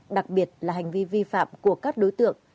đặc biệt là hành vi vi phạm của các đối tượng